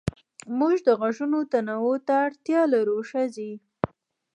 موږ د غږونو تنوع ته اړتيا لرو ښځې